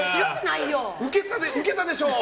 ウケたでしょ！